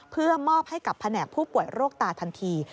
เพื่อมอบให้กับแผนกผู้ป่วยโรคตาทันที